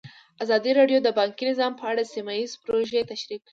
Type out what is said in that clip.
ازادي راډیو د بانکي نظام په اړه سیمه ییزې پروژې تشریح کړې.